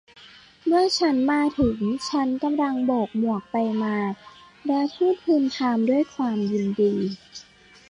เมื่อฉันมาถึงฉันกำลังโบกหมวกไปมา และพูดพึมพำด้วยความยินดี